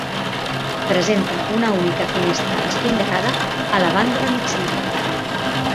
Presenta una única finestra espitllerada a la banda de migdia.